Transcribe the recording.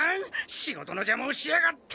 仕事のじゃまをしやがって！